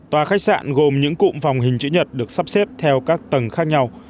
tòa khách sạn gồm những cụm phòng hình chữ nhật được sắp xếp theo các tầng khác nhau